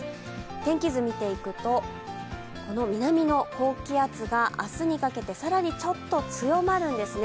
天気図を見ていくと、南の高気圧が明日にかけて更にちょっと強まるんですね。